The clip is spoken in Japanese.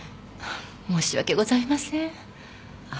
申し訳ございません。